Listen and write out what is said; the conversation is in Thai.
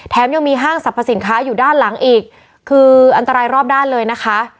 ยังมีห้างสรรพสินค้าอยู่ด้านหลังอีกคืออันตรายรอบด้านเลยนะคะ